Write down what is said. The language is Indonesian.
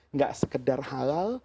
nggak sekedar halal